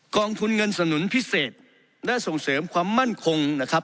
กองทุนเงินสนุนพิเศษและส่งเสริมความมั่นคงนะครับ